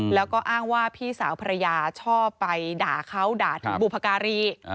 แล้วก็อ้างว่าพี่สาวภรรยาชอบไปด่าเขาด่าถึงบุพการี